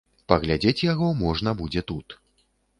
Паглядзець яго можна будзе тут.